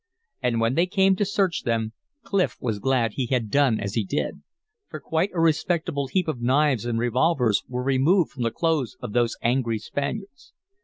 And when they came to search them Clif was glad he had done as he did, for quite a respectable heap of knives and revolvers were removed from the clothes of those angry Spaniards.